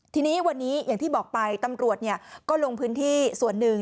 ทีนี้วันนี้อย่างที่บอกไปตำรวจก็ลงพื้นที่ส่วนหนึ่ง